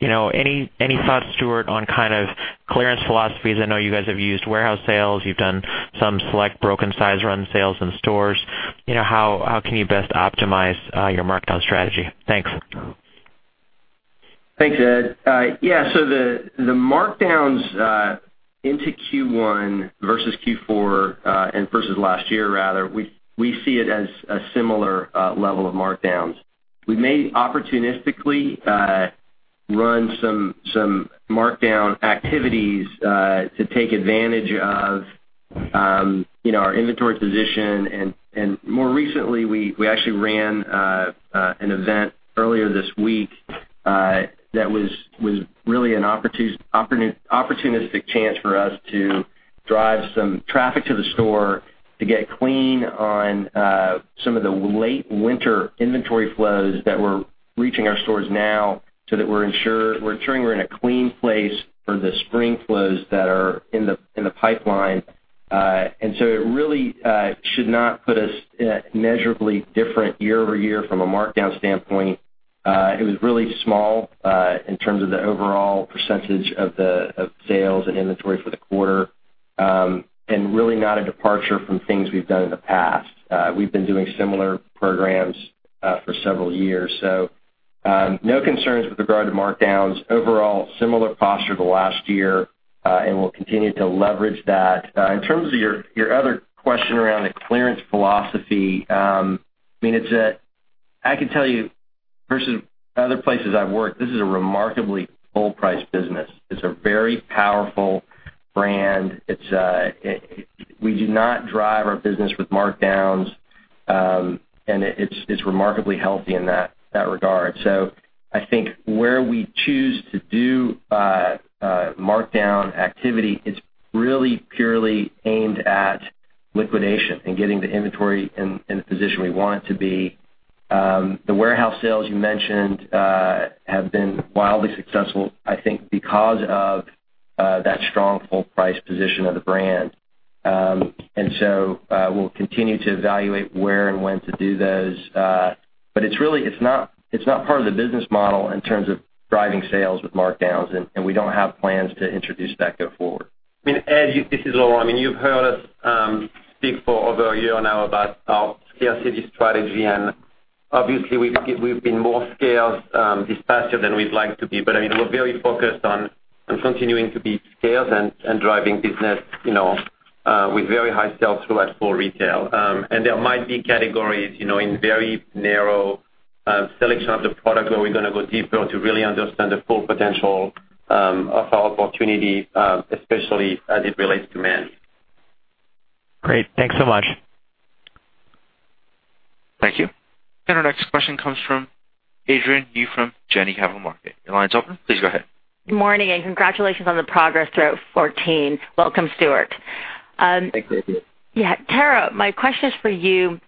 [SPEAKER 11] any thoughts, Stuart, on kind of clearance philosophies? I know you guys have used warehouse sales. You've done some select broken size run sales in stores. How can you best optimize your markdown strategy? Thanks.
[SPEAKER 4] Thanks, Ed. The markdowns into Q1 versus Q4, and versus last year rather, we see it as a similar level of markdowns. We may opportunistically run some markdown activities to take advantage of our inventory position. More recently, we actually ran an event earlier this week that was really an opportunistic chance for us to drive some traffic to the store to get clean on some of the late winter inventory flows that were reaching our stores now, so that we're ensuring we're in a clean place for the spring flows that are in the pipeline. It really should not put us in a measurably different year-over-year from a markdown standpoint. It was really small in terms of the overall percentage of sales and inventory for the quarter, and really not a departure from things we've done in the past. We've been doing similar programs for several years. No concerns with regard to markdowns. Overall, similar posture to last year, and we'll continue to leverage that. In terms of your other question around the clearance philosophy, I can tell you, versus other places I've worked, this is a remarkably full-price business. It's a very powerful brand. We do not drive our business with markdowns, and it's remarkably healthy in that regard. I think where we choose to do markdown activity, it's really purely aimed at liquidation and getting the inventory in the position we want it to be. The warehouse sales you mentioned have been wildly successful, I think because of that strong full-price position of the brand. We'll continue to evaluate where and when to do those. It's not part of the business model in terms of driving sales with markdowns, and we don't have plans to introduce that going forward.
[SPEAKER 3] Ed, this is Laurent. You've heard us speak for over a year now about our scarcity strategy, and obviously we've been more scaled this past year than we'd like to be. We're very focused on continuing to be scaled and driving business with very high sell-through at full retail. There might be categories in very narrow selection of the product where we're gonna go deeper to really understand the full potential of our opportunity, especially as it relates to men.
[SPEAKER 11] Great. Thanks so much.
[SPEAKER 1] Thank you. Our next question comes from Adrienne Yih from Janney Capital Markets. Your line's open. Please go ahead.
[SPEAKER 12] Good morning. Congratulations on the progress throughout 2014. Welcome, Stuart.
[SPEAKER 4] Thank you, Adrienne.
[SPEAKER 12] Yeah. Tara, my question is for you.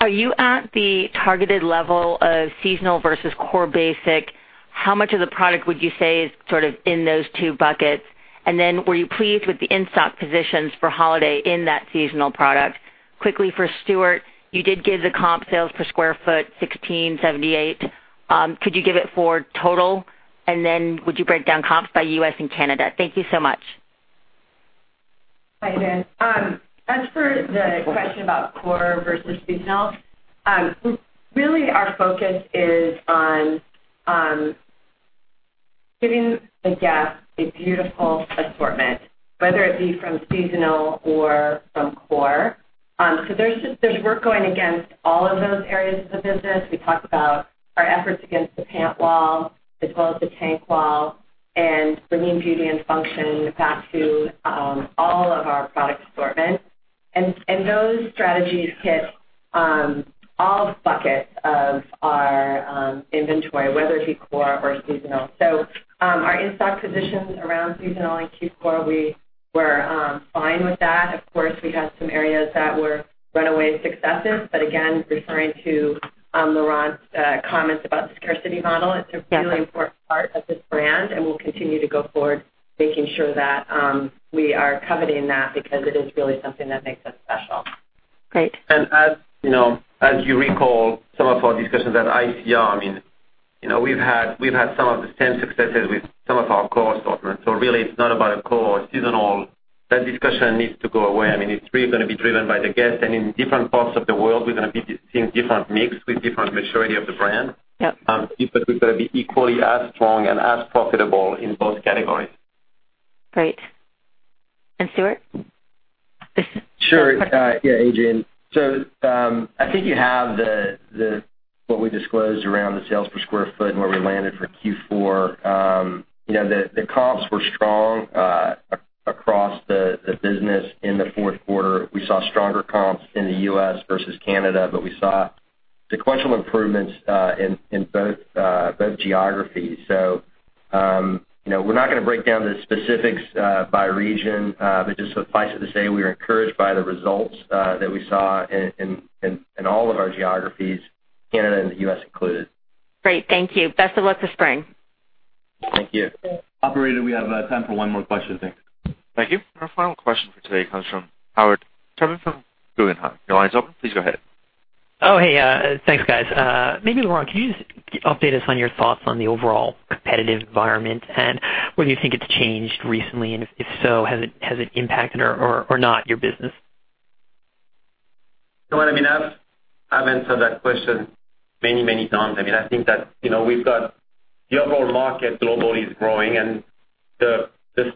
[SPEAKER 12] Are you at the targeted level of seasonal versus core basic? How much of the product would you say is sort of in those two buckets? Were you pleased with the in-stock positions for holiday in that seasonal product? Quickly for Stuart, you did give the comp sales per square foot, 16.78. Could you give it for total? Would you break down comps by U.S. and Canada? Thank you so much.
[SPEAKER 8] Hi, Adrienne. As for the question about core versus seasonal, really our focus is on giving the guest a beautiful assortment, whether it be from seasonal or from core. There's work going against all of those areas of the business. We talked about our efforts against the pant wall as well as the tank wall and bringing beauty and function back to all of our product assortment. Those strategies hit all buckets of our inventory, whether it be core or seasonal. Our in-stock positions around seasonal in Q4, we were fine with that. Of course, we had some areas that were runaway successes. Again, referring to Laurent's comments about the scarcity model, it's a really important part of this brand, and we'll continue to go forward making sure that we are coveting that because it is really something that makes us special.
[SPEAKER 12] Great.
[SPEAKER 8] As you recall some of our discussions at ICR, we've had some of the same successes with some of our core assortment. Really it's not about a core or seasonal. That discussion needs to go away. It's really going to be driven by the guest. In different parts of the world, we're going to be seeing different mix with different maturity of the brand.
[SPEAKER 12] Yep.
[SPEAKER 8] We're going to be equally as strong and as profitable in both categories.
[SPEAKER 12] Great. Stuart?
[SPEAKER 4] Sure. Yeah, Adrienne. I think you have what we disclosed around the sales per square foot and where we landed for Q4. The comps were strong across the business in the fourth quarter. We saw stronger comps in the U.S. versus Canada, but we saw sequential improvements in both geographies. We're not going to break down the specifics by region, but just suffice it to say we are encouraged by the results that we saw in all of our geographies, Canada and the U.S. included.
[SPEAKER 12] Great. Thank you. Best of luck this spring.
[SPEAKER 4] Thank you.
[SPEAKER 2] Operator, we have time for one more question. Thanks.
[SPEAKER 1] Thank you. Our final question for today comes from Howard Tubin from Guggenheim. Your line is open. Please go ahead.
[SPEAKER 13] Oh, hey. Thanks, guys. Maybe Laurent, can you just update us on your thoughts on the overall competitive environment, and whether you think it's changed recently, and if so, has it impacted or not your business?
[SPEAKER 3] I've answered that question many times. I think that the overall market globally is growing, and the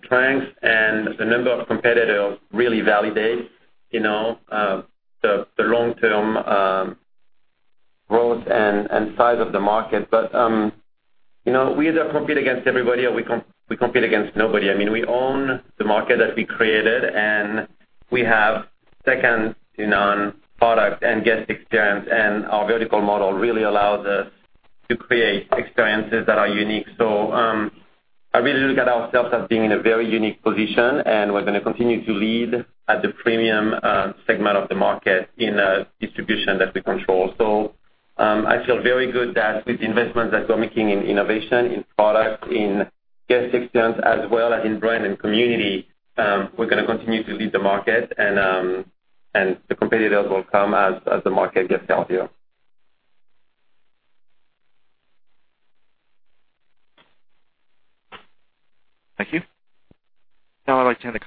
[SPEAKER 3] strength and the number of competitors really validates the long-term growth and size of the market. We either compete against everybody or we compete against nobody. We own the market that we created, and we have second-to-none product and guest experience, and our vertical model really allows us to create experiences that are unique. I really look at ourselves as being in a very unique position, and we're going to continue to lead at the premium segment of the market in a distribution that we control. I feel very good that with the investments that we're making in innovation, in product, in guest experience, as well as in brand and community, we're going to continue to lead the market, and the competitors will come as the market gets healthier.
[SPEAKER 1] Thank you. Now I'd like to hand over